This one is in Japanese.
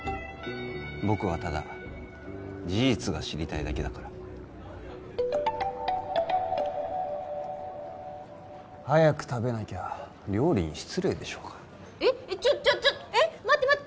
僕はただ事実が知りたいだけだから早く食べなきゃ料理に失礼でしょうがえっちょちょちょっえっ待って待って！